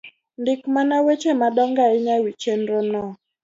Ndik mana weche madongo ahinya e wi chenro no